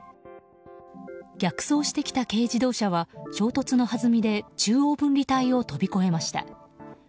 逆走してきた軽自動車は衝突のはずみで中央分離帯を飛び越えました。